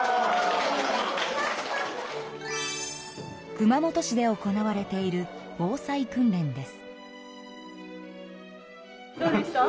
熊本市で行われている防災訓練です。